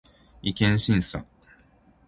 違憲審査